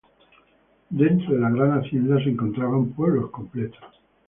Dentro de la gran hacienda se encontraban pueblos completos.